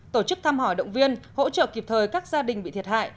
tổ chức thăm hỏi động viên hỗ trợ kịp thời các gia đình bị thiệt hại